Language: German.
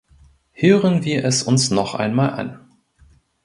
Hören wir es uns noch einmal an!